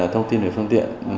thông tin về phương tiện